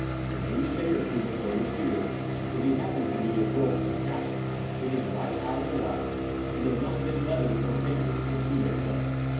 It may be a day or two before he is over, if he happens to be at Gorieston Castle, which is right out in the wilds and does not get letters or papers till two days late.